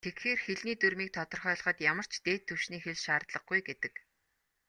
Тэгэхээр, хэлний дүрмийг тодорхойлоход ямар ч "дээд түвшний хэл" шаардлагагүй гэдэг.